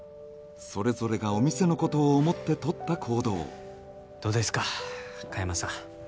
それぞれがお店のことを思ってとった行動どうですか香山さん